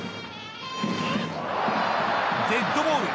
デッドボール。